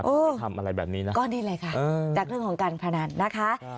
เออทำอะไรแบบนี้น่ะก็นี่เลยค่ะเออจากเรื่องของการพนันนะคะครับ